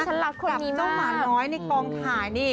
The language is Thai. สำหรับเจ้าหมาน้อยในกองถ่ายนี่